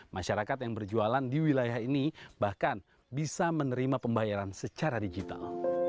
masyarakat yang berjualan di wilayah ini bahkan bisa menerima pembayaran secara digital